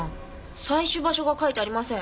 採取場所が書いてありません。